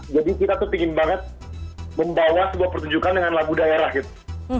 jadi kita tuh pingin banget membawa sebuah pertunjukan dengan lagu daerah gitu